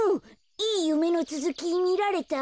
いいゆめのつづきみられた？